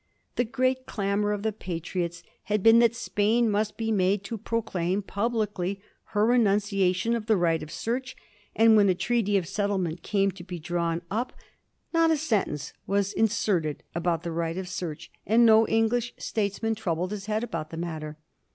The great clamor of the Patriots had been that Spain must be made to proclaim publicly her renunciation of the right of search ; and when a treaty of settlement came to be drawn up not a 184 A HISTORY OF THE FOUR GEORGE& ch. xxxn. sentence was inserted about the rigbt of search, and no English statesman troubled his head about the matter.